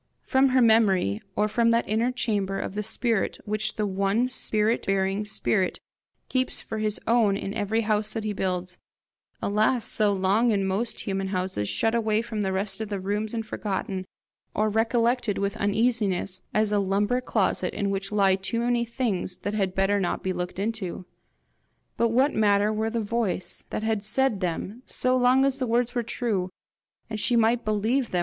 From her memory, or from that inner chamber of the spirit which the one spirit bearing spirit keeps for his own in every house that he builds alas so long in most human houses shut away from the rest of the rooms and forgotten, or recollected with uneasiness as a lumber closet in which lie too many things that had better not be looked into? But what matter where the voice that had said them, so long as the words were true, and she might believe them!